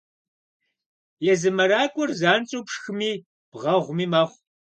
Езы мэракӏуэр занщӏэу пшхыми бгъэгъуми мэхъу.